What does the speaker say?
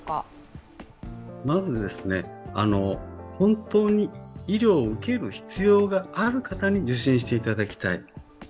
まず本当に医療を受ける必要がある方に受診していただきたい。